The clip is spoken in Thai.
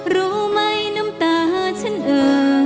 รู้ไหมน้ำตาฉันเอ่อ